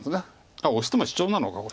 あっオシてもシチョウなのかこれ。